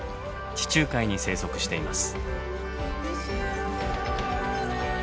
地中海に生息しています。